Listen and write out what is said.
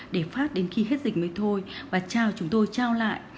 để phát đến khi hết dịch mới thôi và chào chúng tôi trao lại